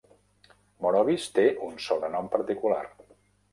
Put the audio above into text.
Morovis té un sobrenom particular.